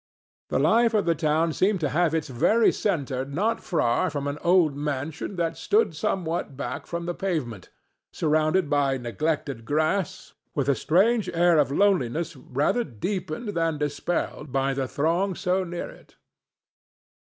The life of the town seemed to have its very centre not far from an old mansion that stood somewhat back from the pavement, surrounded by neglected grass, with a strange air of loneliness rather deepened than dispelled by the throng so near it.